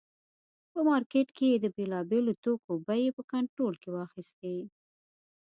په مارکېټ کې یې د بېلابېلو توکو بیې په کنټرول کې واخیستې.